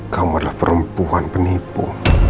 kamu adalah perempuan penipu